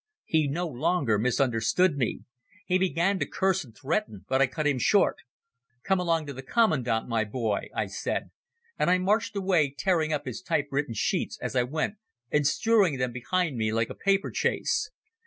He no longer misunderstood me. He began to curse and threaten, but I cut him short. "Come along to the commandant, my boy," I said, and I marched away, tearing up his typewritten sheets as I went and strewing them behind me like a paper chase.